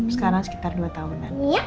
sekarang sekitar dua tahunan